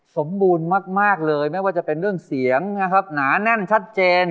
สมบูรณ์มากเลยไม่ว่าจะเป็นเรื่องเสียงนะครับหนาแน่นชัดเจน